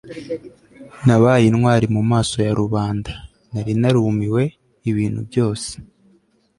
nabaye intwari mumaso ya rubanda. nari narumiwe. ibintu byose